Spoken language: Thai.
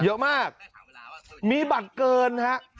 เยอะมากมีบัตรเกินฮะ